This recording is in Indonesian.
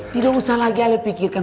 tidak usah lagi ali pikirkan